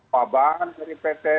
pahaman dari pt